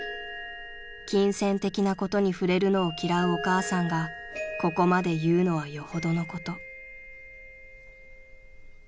［金銭的なことに触れるのを嫌うお母さんがここまで言うのはよほどのこと］